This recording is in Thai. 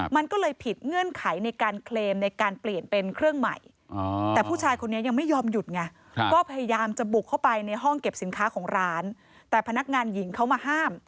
แต่พนักงานหญิงเขามาห้าม